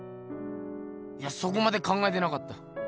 いやそこまで考えてなかった。